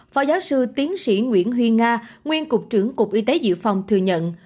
phó giáo sư tiến sĩ nguyễn huy nga nguyên cục trưởng cục y tế dự phòng thừa nhận